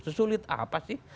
sesulit apa sih